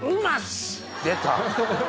出た！